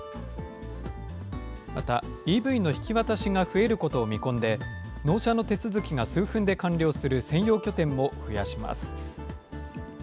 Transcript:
またＥＶの引き渡しが増えることを見込んで、納車の手続きが数分で完了する専用拠点も増やします。